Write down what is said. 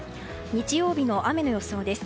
日曜日の雨の予想です。